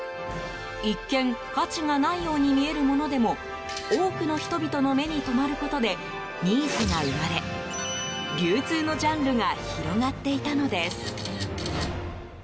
一見、価値がないようにみえるものでも多くの人々の目に留まることでニーズが生まれ流通のジャンルが広がっていたのです。